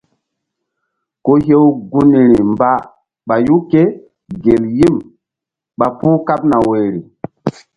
Ku hew gunri mba ɓayu kégel yim ɓa puh kaɓna woyri.